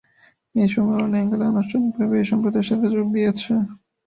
এই সম্মেলনে অ্যাঙ্গোলা আনুষ্ঠানিকভাবে এই সম্প্রদায়ের সাথে যোগ দিয়েছে।